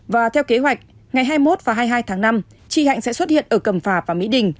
và theo kế hoạch ngày hai mươi một và hai mươi hai tháng năm chị hạnh sẽ xuất hiện ở cầm phả và mỹ đình